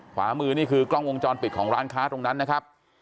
ขวามือนี่คือกล้องวงจรปิดของร้านค้าตรงนั้นนะครับ